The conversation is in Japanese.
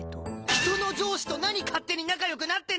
人の上司と何勝手に仲良くなってんだよ！